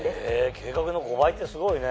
計画の５倍ってすごいね。